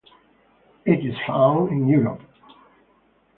It is found in Europe.